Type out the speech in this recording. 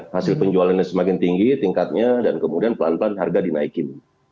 hasil penjualannya semakin tinggi tingkatnya dan kemudian pelan pelan harga dinaikin